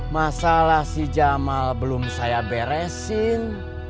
masalah si jamal belum saya beresin